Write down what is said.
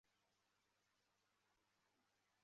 不行，不能放弃